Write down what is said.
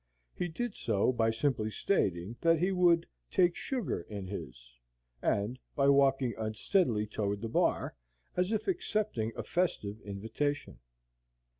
He did so by simply stating that he would "take sugar" in his, and by walking unsteadily toward the bar, as if accepting a festive invitation.